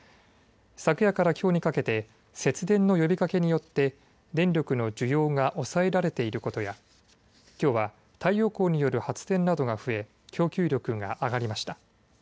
昨夜からきょうにかけて節電の呼びかけによって電力の需要が抑えられていることやきょうは太陽光による発電などが増え供給力が上がりました。